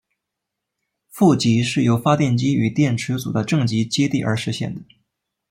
负极是由发电机与电池组的正极接地而实现的。